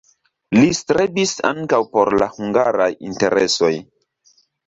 Li strebis ankaŭ por la hungaraj interesoj.